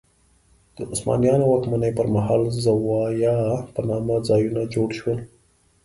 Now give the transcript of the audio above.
د عثمانیانو واکمنۍ پر مهال زوايا په نامه ځایونه جوړ شول.